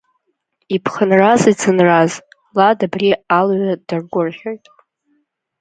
Иԥхынраз, иӡынраз, Лад абри алҩа даргәырӷьоит…